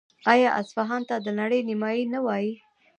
آیا اصفهان ته د نړۍ نیمایي نه وايي؟